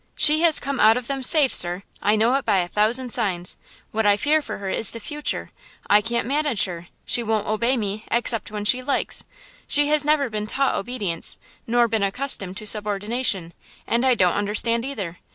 "She has come out of them safe, sir! I know it by a thousand signs; what I fear for her is the future. I can't manage her. She won't obey me, except when she likes. She has never been taught obedience nor been accustomed to subordination, and I don't understand either.